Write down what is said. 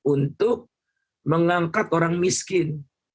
itu mengangkat orang miskin